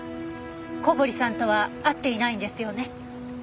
小堀さんとは会っていないんですよね？